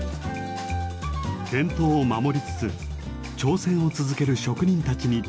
伝統を守りつつ挑戦を続ける職人たちに出会います。